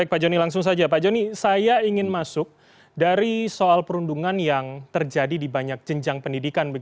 pak joni saya ingin masuk dari soal perundungan yang terjadi di banyak jenjang pendidikan